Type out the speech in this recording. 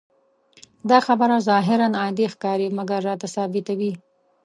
دا خبره ظاهراً عادي ښکاري، مګر راته ثابتوي.